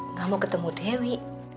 nggak mau ketemu dewi